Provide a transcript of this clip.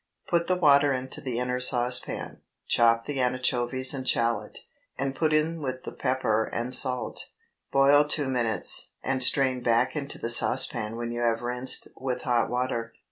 Put the water into the inner saucepan, chop the anchovies and shallot, and put in with the pepper and salt. Boil two minutes, and strain back into the saucepan when you have rinsed with hot water.